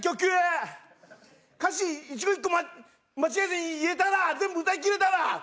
歌詞一語一句間違えずに言えたら全部歌い切れたら。